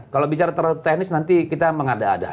kalau bicara terlalu teknis nanti kita mengada ada